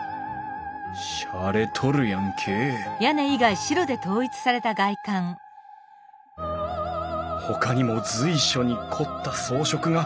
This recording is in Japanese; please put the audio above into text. しゃれとるやんけえほかにも随所に凝った装飾が。